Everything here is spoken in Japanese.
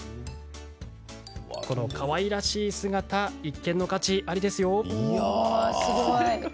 そのかわいらしい姿一見の価値ありですよ。